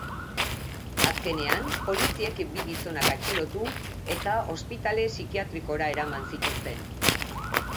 Azkenean, poliziek bi gizonak atxilotu eta ospitale psikiatrikora eraman zituzten.